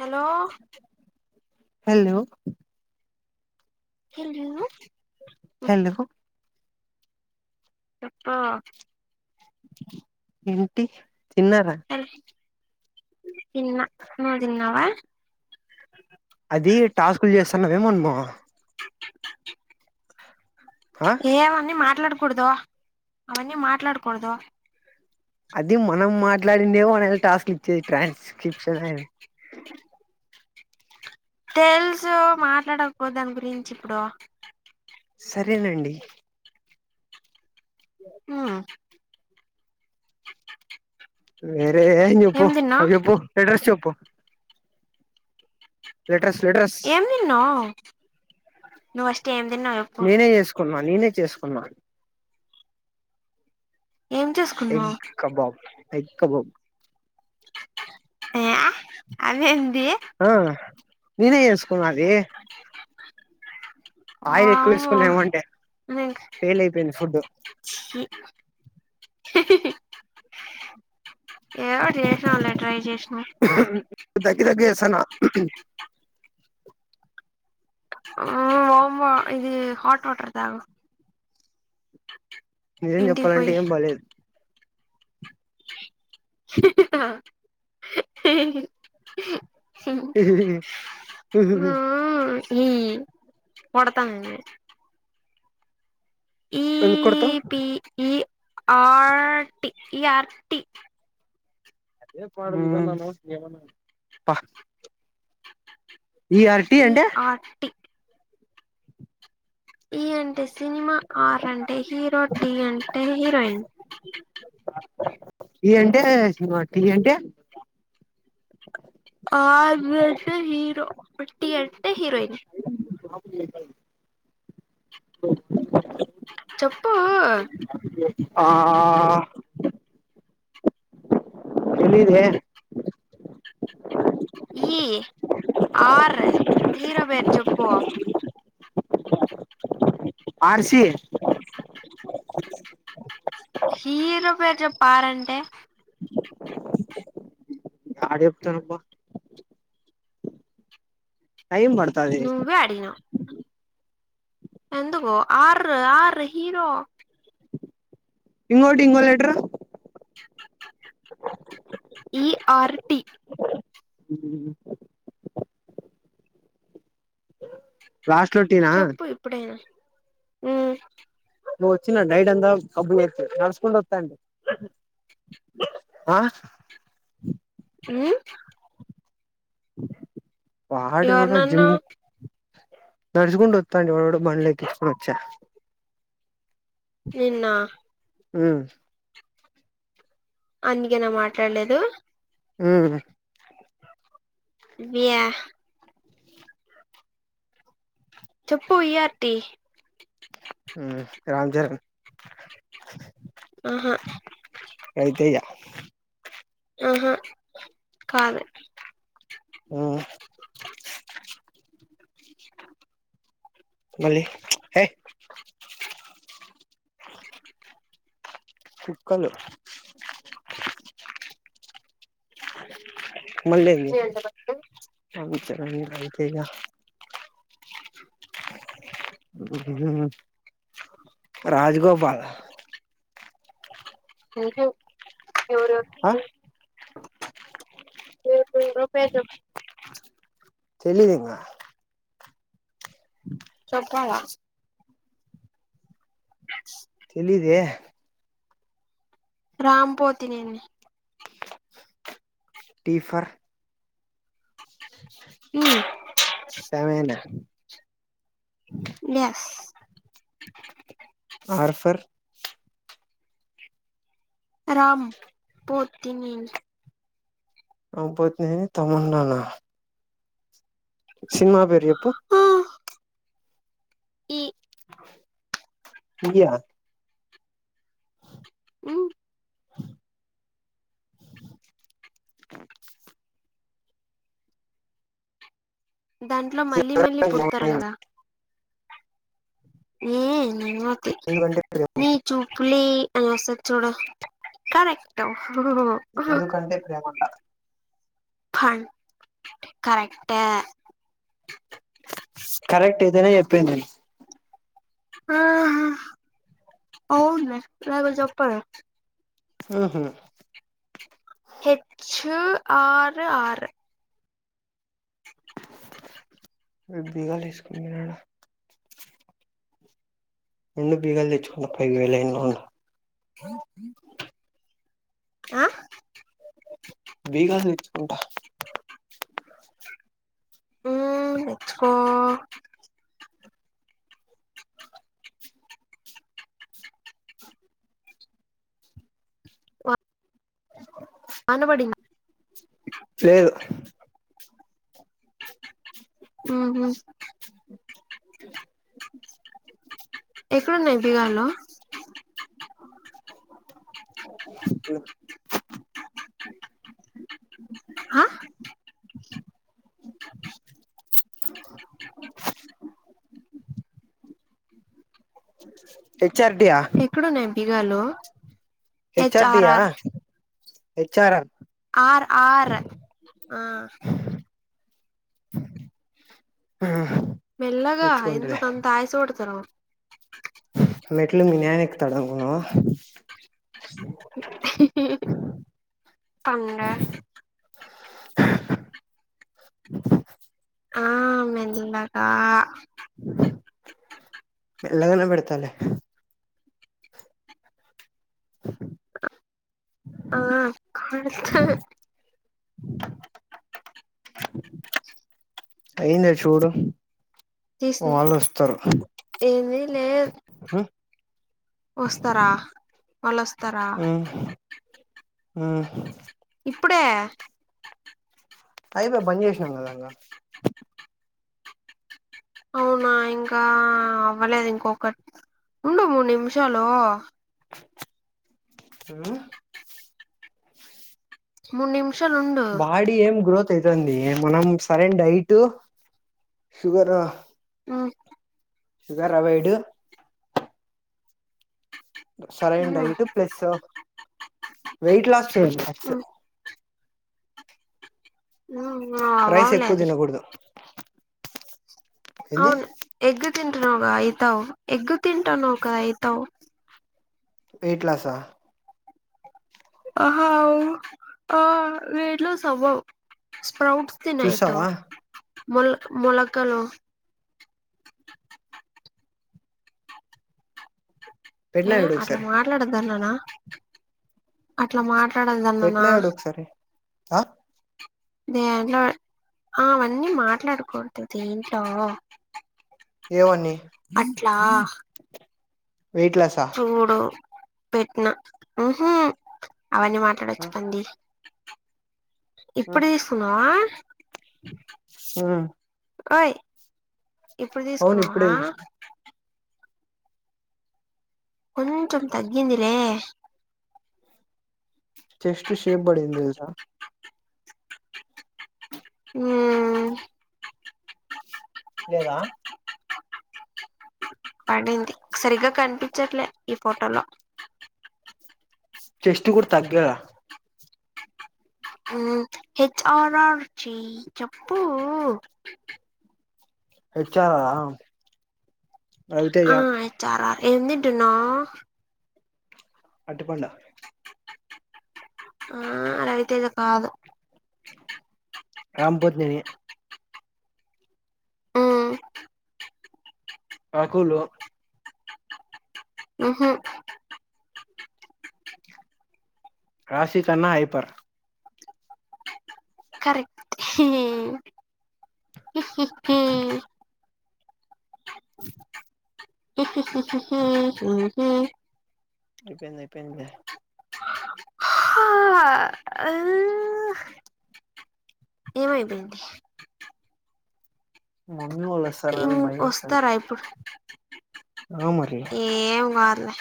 Hello hello hello hello చేప్పా ఏంటి తిన్నారా తిన్న నువ్వు తిన్నావా అది టాస్కులు చేస్తాన్నావేమో నువ్వు ఆ ఏ అవన్నీ మాట్లాడకూడదు అవన్నీ మాట్లాడకూడదు అది మనం మాట్లాడిందే మన టాస్క్ ఇచ్చేది ట్రాన్స్క్రిప్షన్ అని [inaudible] తెలుసు మాట్లాడకపో దాని గురించి ఇప్పుడు సరేనండి ఆ ఏ లే ఎం జెప్పు ఏం అ తిన్నావ్ చెప్పు లెటర్స్ చెప్పు. లెటర్స్. లెటర్స్ ఏం దీన్నావ్, నువ్వు ఫస్ట్ ఎం డిన్నవ్ ఎప్పు. నేనే చేసుకున్నా నేనే చేసుకున్నా. ఏం ఎగ్ చేసుకున్నావ్ కబాబ్, ఎగ్ కబాబ్. ఏ ఆ నేనే చేసుకున్నాది ఆమ్మో ఏమంటే మిక్స్ ఫెయిల్ అయిపోయింది ఫుడ్ సీ. [inaudible] ఏవొ జెసనాలే ట్రై జెసినం. తగ్గి తగ్గి చేస్తాన్న అ ఓమ్మో ఇది హాట్ వాటర్ దా. నిజం ఇంటికి చెప్పాలంటే, పోయి ఏం బాలలేదు. ఆ అ. ఊమ్ కొడతాను. ఎందుకు కొడతావ్ ఈపిఈ, ఆర్టి, ఈఆర్టి. ప హ. ఈ ఆర్టి టి. ఈ అంటే సినిమా, ఆర్ అంటే హీరో, టి అంటే హీరోయిన్. అ ఈ అంటే సినిమా, టి అంటే. ఆర్ అంటే హీరో, టి అంటే హీరోయిన్. కా చెప్పు ఊ ఓ. తెలీదే. ఈ ఆర్ హీరో పేరు చెప్పో. ఆ ర్ సి. హీరో పేరు జెప్పు అ ర్ అంటే. ఆడ జెప్పుతను పొ. టైమ్ బడుతాది. నువ్వే ఎందుకో ఆర్ ఆర్ హీరో. ఇంగోటి ఇంగొ లెటరు. ఈ ఆర్ టి అ లో టీ నా చెప్పు ఇప్పుడైనా ఉమ్. వచ్చిన నైట్ అంత కబ్బు లే నడస్కంట ఓత్తాన్న. అ. హుం. బాడీ కూడా జిమ్. ఎవరినన్నా నడుచకుంట ఓత్తాడు వాడు, బనళ్లఎక్కిచ్చకోని వొచ్చా. నిన్నా. హుమ్. అందుకేనా మాట్లాలేదు. హు హు. వియా. చెప్పు ఇ అర్ టి. రామ్ చేరణ్. ఆహా [inaudible] ఆహా క ఉ మళ్ళీ హే కుక్కలు [inaudible] మల్లేంది [unintelligible] రాజ్గోపాల్ [inaudible] [unintelligible] ఎవరెవరో ఆ [unintelligible] తెలీదు ఇంగా చెప్పల తెలీదే రామ్ పోతినేని టి ఫర్ ఉమ్ తమెన S R for Ram Pothineni Ram Pothineni తమన్నాన సినిమా పేరు చెప్పు ఆ ఈ ఇయా ఉ [inaudible] దాంట్లో మళ్ళీ మళ్ళీ పుడతారు కదా [unintelligible] నీ మూతి ఎందుకంటే ప్రేమ నీ చూపులే [unintelligible] చూడు కరెక్ట్ ఎందుకంటే ప్రేమంట [unintelligible] కరెక్ట్ కరెక్ట్ ఐతేనే చెప్పేది నేను ఆ అవునులే [unintelligible] హు హు హెచ్ ఆర్ ఆర్ బిగాలు ఏసుకొని పోయినడ వుండు బీగాలు తెచ్చుకుంట లైన్ లో ఉండు హ ఆ బీగాలు తెచ్చు కుంట ఉ [unintelligible] ఆ [inaudible] యాహొహు వాన బడినా లేదు ఉహు ఉకేలా [inaudible] ఎక్కడున్నాయి దిగాల్ల [inaudible] ఓ ఆ [inaudible] ఓ హెచ్ అర్ టి యా, ఎక్కడున్నాయి బిగాలు హెచ్ అర్ టి ఆర్ యా ఆర్ హెచ్ ఆర్ ఆ ఆర్ ఆర్ ఆ ఆ మెల్లగా ఎందుకు అంతా ఆయాస పడుతున్నావు మెట్లు మీ నాయనా ఎక్కుతాడా అనుకున్నావా అంగా ఆ మెల్లగా లోన పెడతాలే ఆహ కాస్త అయిందా చూడు తీసిన్న వాళ్ళు వస్తారు ఏమి లేదు ఉమ్, వస్తారా వాళ్ళు వస్తారా ఆ ఆ ఇప్పుడే అయిపాయ బంద్ చేసినాం కదా ఇంగా అవునా ఇంకా అవ్వలేదు ఇంకొక ఉండు మూడు నిమిషాలు ఆ మూన్నిమ్ బాడి ఏం గ్రోత్ అయితాంది మనం సరైన డైట్ షుగర్ ఆ షుగర్ అవాయిడ్ సరైన మ్మ్ డైట్ ప్లస్ వెయిట్ లాస్ చేయండి ఫస్ట్ మ్మ్ ఆ ఆ రైస్ ఎక్కువ అవ్వలది తినకూడదు ఏంది అవును ఎగ్గు తింటాన్నవు కదా అయితావు ఎగ్గు తింటాన్నవు కదా అయితావు వేయిట్ లాసా ఆహ ఆవ్ ఆ వేయిట్ లాస్ అవ్వావ్ ప్రౌట్స్ తిను అయితావు చూసావా మొల మొలకలు ఏ పెట్టినా చూడు అట్లా ఒకసారి మాట్లాడద్దాన్నానా అట్లా మాట్ కొట్టడం వల్ల నా పెట్టినా చూడు ఒకసారి ఆ దేంట్లో అవన్నీ మాట్లాడకూడదు దీంట్లో ఏవన్నీ ట్లా వెయిట్ లాసా చూడు పెట్టనా ఉహు అవన్నీ మాట్లాడొచ్చు పంది ఇప్పుడు తీసుకున్నావా ఉ ఓయ్ ఇప్పుడు తీసుకున్నా ఇప్పుడే చూసిన కొంచెం తగ్గిందిలే చెస్ట్ షేప్ పడింది తెలుసా ఊ లేదా పడింది సరిగ్గా కనిపించట్లే ఈ ఫోటోలో చెస్ట్ కూడా తగ్గియాల ఉ హెచ్ ఆర్ ఆర్ జి చెప్పు హెచ్ ఆర్ ఆర్ ఆ ఆ హెచ్ ఆర్ ఆర్ ఏం తింటున్నావ్ అరటి పండు ఆ రవితేజ కాదు రామ్ పోతినేని ఉ రకులు ఉహు రాసి కన్నా హైపర్ కరెక్ట్ హేహు హి హి హి హి హి హి హి హుహు అయిపోయింది అయిపోయింది లే హా హు ఏం అయిపోయింది మమ్మీ వాళ్ళు ఈ వస్తారని భయమైతుంది వస్తారా ఇప్పుడు ఆ మరి ఏం కాదులే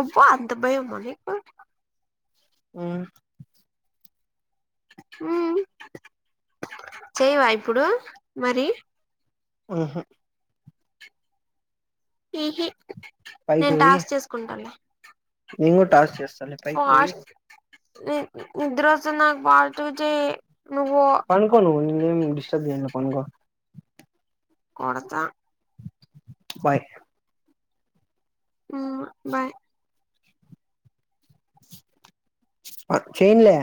అబ్బా అంత భయం ఎక్కు ఉ ఉ చేయవా ఇప్పుడు మరి ఉహు ఉహు పైకి నేను పోయి టాస్క్ చేసుకుంటాలే నేను కూడా టాస్క్ చేస్తాలే పైకి పోయి ఫాస్ట్ నీ నిద్రొస్తుంది నాకు ఫాస్ట్గా చెయ్ పనుకో నువ్వు నేనేం డిస్టర్బ్ చెయ్యను లే పనుకో కొడతా బాయ్ ఉమ్మ్ బాయ్ ఆ చేయన్లే